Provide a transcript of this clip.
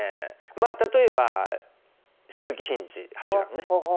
まあ例えば鈴木伸二八段ね。